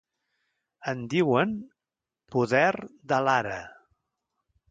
En diuen “poder de l’ara”.